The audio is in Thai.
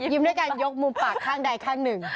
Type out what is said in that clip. ยิ้มด้วยการยกมุมปากข้างใดข้างหนึ่ง